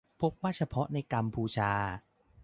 พบว่าเฉพาะในกัมพูชา